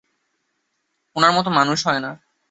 ওনার মতো মানুষ হয় না!